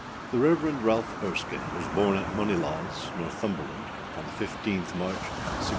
The Rev. Ralph Erskine was born at Monilaws, Northumberland, on the 15th March, 1685.